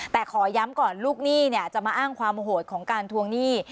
แต่ขอย้ำก่อนลูกหนี้จะมาอ้างความโหดของการทวงหนี้